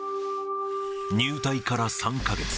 入隊から３か月。